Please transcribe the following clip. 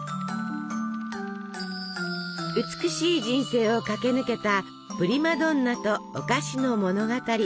美しい人生を駆け抜けたプリマドンナとお菓子の物語。